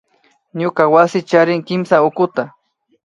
Ñuka wasi charin kimsa tukuta